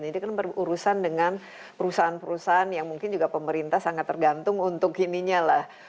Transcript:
ini kan berurusan dengan perusahaan perusahaan yang mungkin juga pemerintah sangat tergantung untuk ininya lah